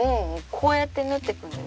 こうやって縫っていくんだよ。